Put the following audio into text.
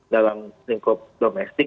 dalam lingkup domestik